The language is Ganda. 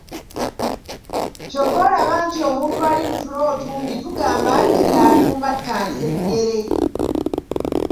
Ky'ova olaba nti omuntu ali mu tulo otungi tugamba nti ali mu "matta nsejjere"